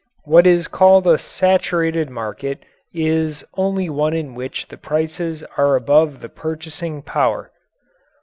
What is called a "saturated" market is only one in which the prices are above the purchasing power.